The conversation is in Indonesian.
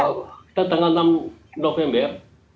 kita tanggal enam november